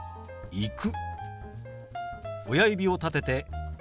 「行く」。